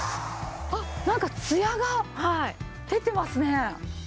あっなんかツヤが出てますね。